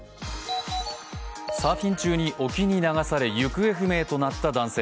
サーフィン中に沖に流され、行方不明となった男性。